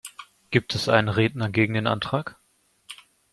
Gibt es einen Redner gegen den Antrag?